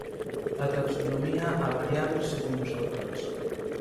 A taxonomía á variábel segundo os autores.